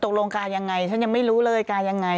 ตกลงการยังไงฉันยังไม่รู้เลยการยังไง